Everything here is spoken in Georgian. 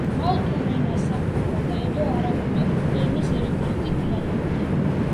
მალტურ ენას საფუძვლად დაედო არაბული ენის ერთ-ერთი დიალექტი.